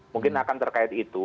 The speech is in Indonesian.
mungkin akan terkait itu